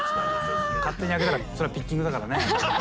勝手に開けたらそれはピッキングだからね。